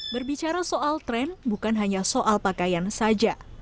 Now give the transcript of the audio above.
berbicara soal tren bukan hanya soal pakaian saja